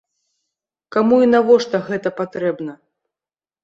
Каму і навошта гэта патрэбна?